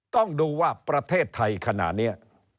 ต้องดูว่าประเทศไทยขณะนี้